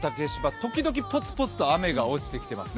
時々ぽつぽつと雨が落ちてきていますね。